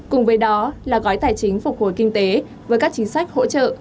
cùng với đó là gói tài chính phục hồi kinh tế với các chính sách hỗ trợ